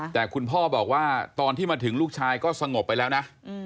แต่คุณพ่อบอกว่าตอนที่มาถึงลูกชายก็สงบไปแล้วนะ